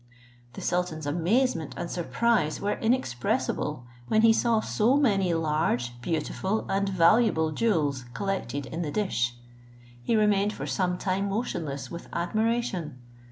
The sultan's amazement and surprise were inexpressible, when he saw so many large, beautiful, and valuable jewels collected in the dish. He remained for some time motionless with admiration.